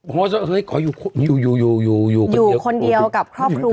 เพราะว่าอยู่คนเดียวกับครอบครัว